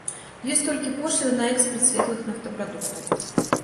Ёсць толькі пошліна на экспарт светлых нафтапрадуктаў.